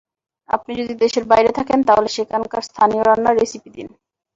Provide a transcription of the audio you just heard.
আপনি যদি দেশের বাইরে থাকেন, তাহলে সেখানকার স্থানীয় রান্নার রেসিপি দিন।